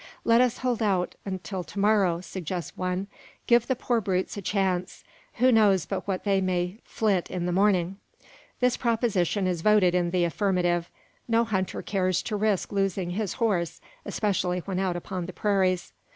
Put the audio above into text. "Let us hold out till to morrow," suggests one. "Give the poor brutes a chance. Who knows but what they may flit in the morning?" This proposition is voted in the affirmative. No hunter cares to risk losing his horse, especially when out upon the prairies.